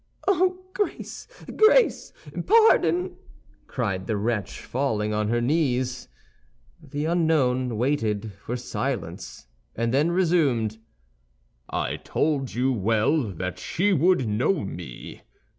"Oh, grace, grace, pardon!" cried the wretch, falling on her knees. The unknown waited for silence, and then resumed, "I told you well that she would know me.